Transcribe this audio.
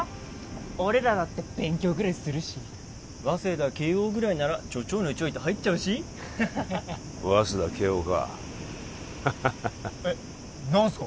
俺らだって勉強ぐらいするし早稲田慶応ぐらいならちょちょいのちょいって入っちゃうし早稲田慶応かハハハハえっ何すか？